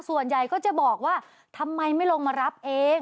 ส่วนใหญ่ก็จะบอกว่าทำไมไม่ลงมารับเอง